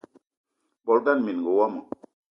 Bolo ngana minenga womo